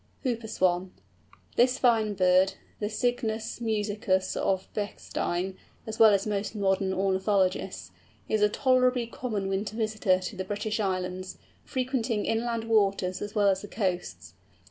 HOOPER SWAN. This fine bird, the Cygnus musicus of Bechstein, as well as of most modern ornithologists, is a tolerably common winter visitor to the British Islands, frequenting inland waters as well as the coasts.